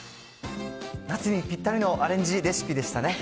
夏にぴったりのアレンジレシピでしたね。